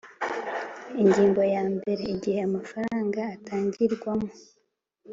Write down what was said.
Ingingo ya mbere Igihe amafaranga atangirwamo